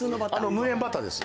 無塩バターです